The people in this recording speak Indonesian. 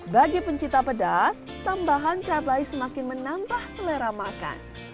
bagi pencipta pedas tambahan cabai semakin menambah selera makan